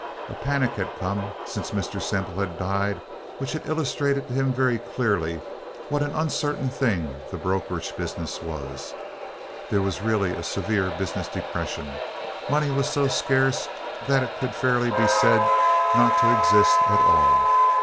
A panic had come since Mr. Semple had died, which had illustrated to him very clearly what an uncertain thing the brokerage business was. There was really a severe business depression. Money was so scarce that it could fairly be said not to exist at all.